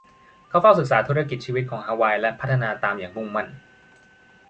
เขาเฝ้าศึกษาธุรกิจชีวิตของฮาวายและพัฒนาตามอย่างมุ่งมั่น